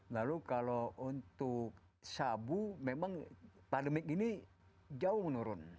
lalu kalau untuk sabu memang pandemik ini jauh menurun